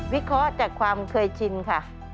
วิเคราะห์จากความเคยชินค่ะ